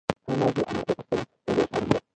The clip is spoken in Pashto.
آیا نازو انا د پښتنو یوه لویه شاعره نه وه؟